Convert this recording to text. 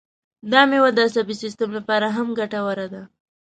دا مېوه د عصبي سیستم لپاره هم ګټوره ده.